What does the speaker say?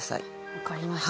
分かりました。